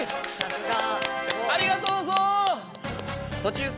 ありがとうゾウ！